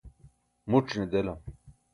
muc̣ ne delam.